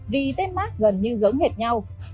vì tên mắt gần như giống hệt nhau